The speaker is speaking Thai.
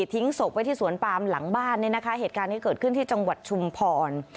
ทิ้งศพไว้ที่สวนปามหลังบ้านเนี่ยนะคะเหตุการณ์นี้เกิดขึ้นที่จังหวัดชุมพร